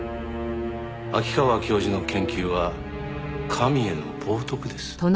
秋川教授の研究は神への冒涜です。